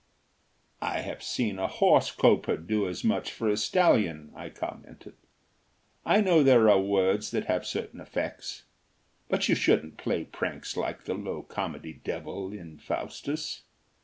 "I have seen a horse coper do as much for a stallion," I commented. "I know there are words that have certain effects. But you shouldn't play pranks like the low comedy devil in Faustus."